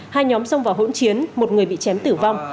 hai nhóm xông vào hỗn chiến một người bị chém tử vong